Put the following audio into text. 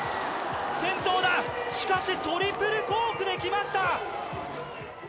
転倒だ、しかし、トリプルコークできました。